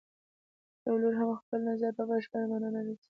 یو لوری هم خپل نظر په بشپړه معنا نه رسوي.